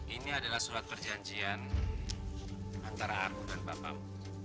ini adalah surat perjanjian antara aku dan bapamu